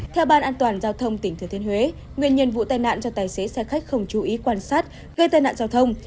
theo ban an toàn giao thông tỉnh thừa thiên huế nguyên nhân vụ tai nạn do tài xế xe khách không chú ý quan sát gây tai nạn giao thông